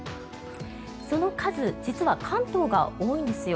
その数実は関東が多いんですよ。